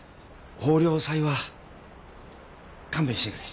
豊漁祭は勘弁してくれ。